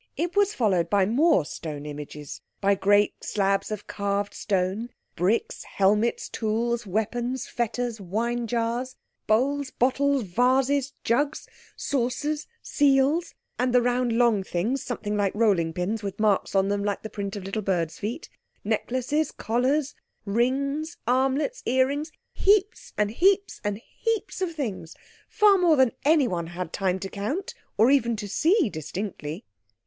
It was followed by more stone images, by great slabs of carved stone, bricks, helmets, tools, weapons, fetters, wine jars, bowls, bottles, vases, jugs, saucers, seals, and the round long things, something like rolling pins with marks on them like the print of little bird feet, necklaces, collars, rings, armlets, earrings—heaps and heaps and heaps of things, far more than anyone had time to count, or even to see distinctly.